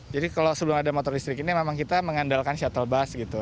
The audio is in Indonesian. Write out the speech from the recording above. jadi kalau sebelum ada motor listrik ini memang kita mengandalkan shuttle bus gitu